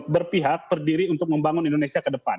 berpihak berdiri untuk membangun indonesia ke depan